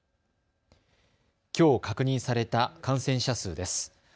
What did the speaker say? きょう確認された感染者数です。